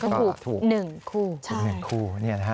ก็ถูก๑คู่ใช่